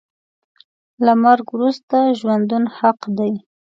له مرګ وروسته ژوندون حق دی .